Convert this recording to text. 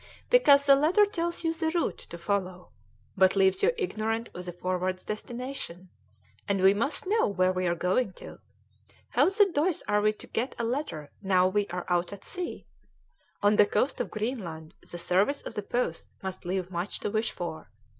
"Because the letter tells you the route to follow, but leaves you ignorant of the Forward's destination; and we must know where we are going to. How the deuce are you to get a letter now we are out at sea? On the coast of Greenland the service of the post must leave much to wish for.